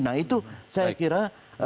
nah itu saya kira